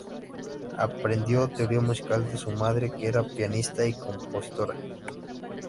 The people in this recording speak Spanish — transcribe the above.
Aprendió teoría musical de su madre, que era pianista y compositora.